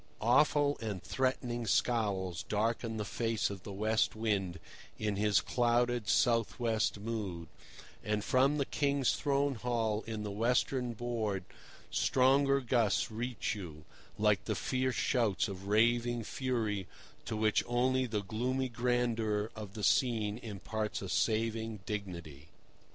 Awful and threatening scowls darken the face of the West Wind in his clouded, south west mood; and from the King's throne hall in the western board stronger gusts reach you, like the fierce shouts of raving fury to which only the gloomy grandeur of the scene imparts a saving dignity.